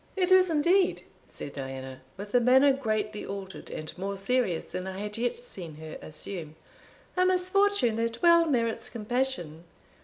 "It is indeed," said Diana, with a manner greatly altered, and more serious than I had yet seen her assume, "a misfortune that well merits compassion.